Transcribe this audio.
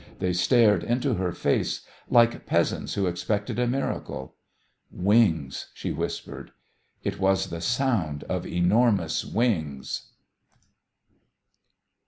They stared into her face like peasants who expected a miracle. "Wings," she whispered. "It was the sound of enormous wings."